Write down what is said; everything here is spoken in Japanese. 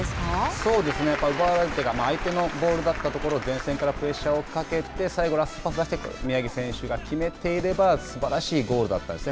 そうですね相手のボールだったところ前線からプレッシャーをかけて最後は宮城選手が決めていればすばらしいゴールだったですね。